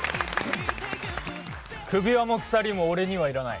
首輪も鎖も俺にはいらない。